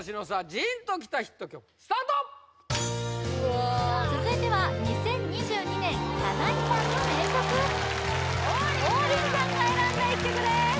ジーンときたヒット曲スタート続いては２０２２年きゃないさんの名曲王林さんが選んだ１曲です